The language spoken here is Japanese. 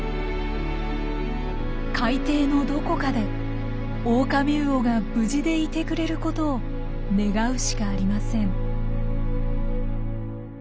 海底のどこかでオオカミウオが無事でいてくれることを願うしかありません。